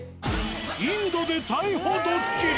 インドで逮捕ドッキリ。